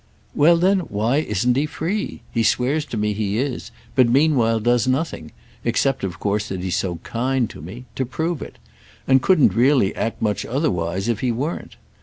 "Well then why isn't he free? He swears to me he is, but meanwhile does nothing—except of course that he's so kind to me—to prove it; and couldn't really act much otherwise if he weren't.